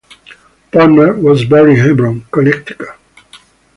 Palmer was born in Hebron, Connecticut.